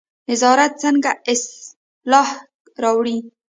نظارت څنګه اصلاح راوړي؟